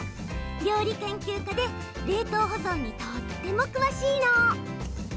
料理研究家で冷凍保存にとっても詳しいの。